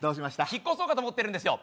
引っ越そうかと思ってるんですよ